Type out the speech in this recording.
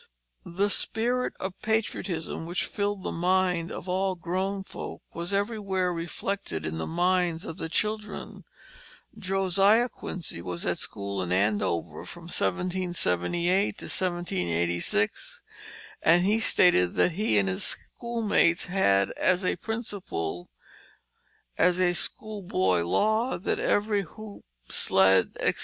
The spirit of patriotism which filled the mind of all grown folk was everywhere reflected in the minds of the children. Josiah Quincy was at school in Andover from 1778 to 1786, and he stated that he and his schoolmates had as a principle, as a schoolboy law, that every hoop, sled, etc.